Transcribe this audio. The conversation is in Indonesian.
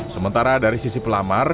sementara dari sisi pelamar